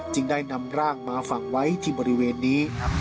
จึงได้นำร่างมาฝังไว้ที่บริเวณนี้